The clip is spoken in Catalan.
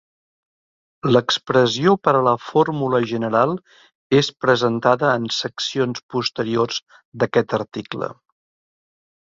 L'expressió per a la fórmula general és presentada en seccions posteriors d'aquest article.